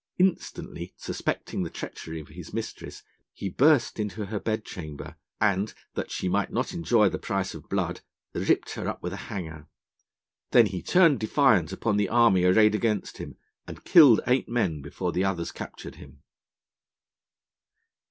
Instantly suspecting the treachery of his mistress, he burst into her bed chamber, and, that she might not enjoy the price of blood, ripped her up with a hanger. Then he turned defiant upon the army arrayed against him, and killed eight men before the others captured him.